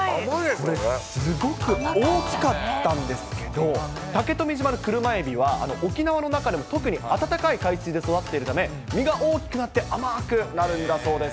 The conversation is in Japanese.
これ、すごく大きかったんですけど、竹富島の車エビは、沖縄の中でも特に暖かい海水で育っているため、身が大きくなって甘くなるんだそうです。